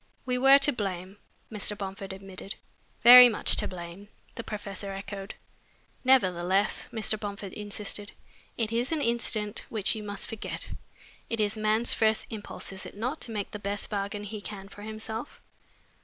"We were to blame," Mr. Bomford admitted. "Very much to blame," the professor echoed. "Nevertheless," Mr. Bomford insisted, "it is an incident which you must forget. It is man's first impulse, is it not, to make the best bargain he can for himself?